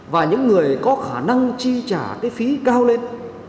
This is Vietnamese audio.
và những người có khả năng chi trả cái phí cao lên